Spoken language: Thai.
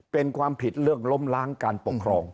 เป็นความผิดเรื่องล้มล้างการปกครอง